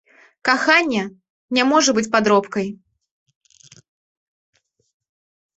Каханне не можа быць падробкай.